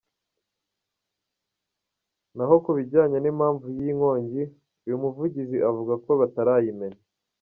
Naho ku bijyanye n’impamvu y’iyi nkongi, uyu muvugizi avuga ko batarayimenya.